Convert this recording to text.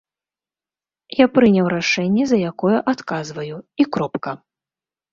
Я прыняў рашэнне, за якое адказваю, і кропка.